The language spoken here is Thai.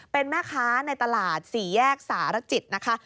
เป็นแม่ค้าในตลาดสี่แยกสารจิตนะคะ